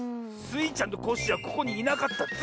スイちゃんとコッシーはここにいなかった。